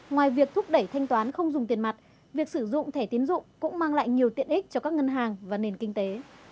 ngoài việc thúc đẩy thanh toán không dùng tiền mặt việc sử dụng thẻ tiến dụng cũng mang lại nhiều tiện ích cho các ngân hàng và nền kinh tế